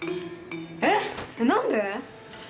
えっ！？何で？